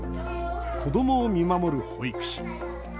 子どもを見守る保育士。